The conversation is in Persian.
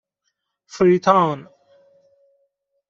فری تاون